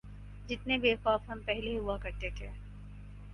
جتنے بے خوف ہم پہلے ہوا کرتے تھے۔